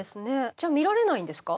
じゃあ見られないんですか？